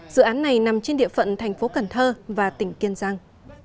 dự án này nằm trên địa phận thành phố cần thơ và tỉnh kiên giang